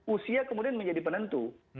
usia kemudian menjadi penentu